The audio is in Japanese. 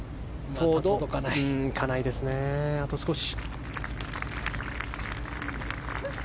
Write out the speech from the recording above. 届かないですね、あと少し。